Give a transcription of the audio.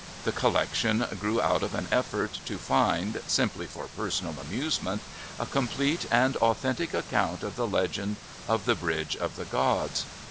The collection grew out of an effort to find, simply for personal amusement, a com plete and authentic account of the legend of the bridge of the gods.